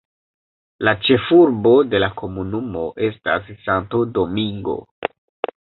La ĉefurbo de la komunumo estas Santo Domingo.